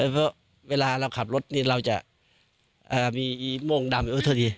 เพราะเวลาเราขับรถนี่เราจะอ่ามีอีโมงดำอุ๊ยเทอดี